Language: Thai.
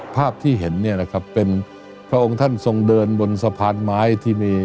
ภาพที่เห็นเนี่ยนะครับเป็นพระองค์ท่านทรงเดินบนสะพานไม้ที่มี